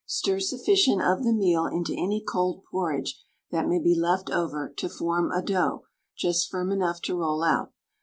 Stir sufficient of the meal into any cold porridge that may be left over to form a dough just firm enough to roll out.